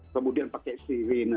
kemudian pakai sirine